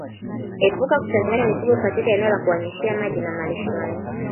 Epuka kuchanganya mifugo katika eneo la kuwanywesha maji na malishoni